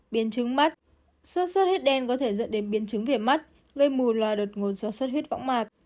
biến chứng mắt xuất xuất huyết đen có thể dẫn đến biến chứng vỉa mắt gây mù loài đột ngột do xuất huyết võng mạc